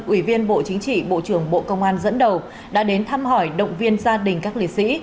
ủy viên bộ chính trị bộ trưởng bộ công an dẫn đầu đã đến thăm hỏi động viên gia đình các liệt sĩ